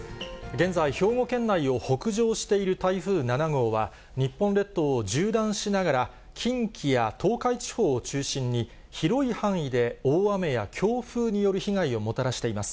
現在、兵庫県内を北上している台風７号は、日本列島を縦断しながら、近畿や東海地方を中心に、広い範囲で大雨や強風による被害をもたらしています。